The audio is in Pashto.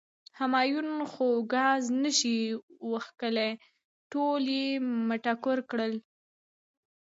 همایون خو ګازر نه شي وښکلی، ټول یی مټکور کړل.